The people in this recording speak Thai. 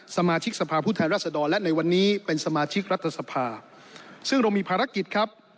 สมาชิกสภาพผู้แทนรัศดรและในวันนี้เป็นสมาชิกรัฐสภาซึ่งเรามีภารกิจครับ